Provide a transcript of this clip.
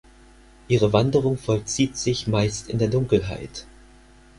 Ihre Wanderung vollzieht sich meist in der Dunkelheit.